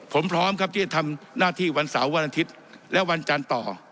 ผมพร้อมครับที่จะทำหน้าที่วันเสาร์วันอาทิตย์และวันจันทร์ต่อ